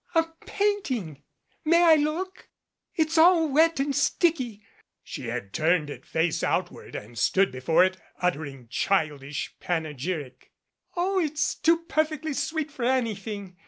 "A painting ! May I look ? It's all wet and sticky." She had turned it face outward and stood before it utter ing childish panegyric. "Oh, it's too perfectly sweet for anything.